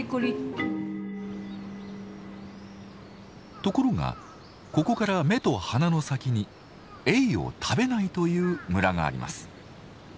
ところがここから目と鼻の先にエイを食べないという村があります。